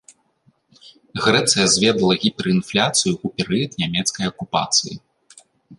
Грэцыя зведала гіперінфляцыю ў перыяд нямецкай акупацыі.